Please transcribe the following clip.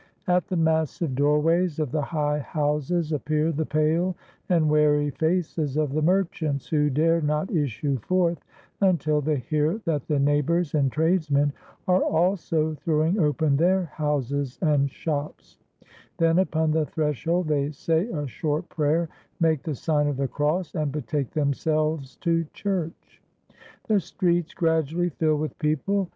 At the massive doorways of the high houses appear the pale and wary faces of the merchants, who dare not issue forth until they hear that the neighbors and tradesmen are also throwing open their houses and shops; then upon the threshold they say a short prayer, make the sign of the cross, and betake themselves to church. • The streets gradually fill with people.